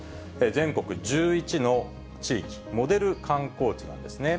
全国１１の地域、モデル観光地なんですね。